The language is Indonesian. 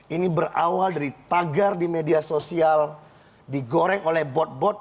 ini berawal dari tagar di media sosial digoreng oleh bot bot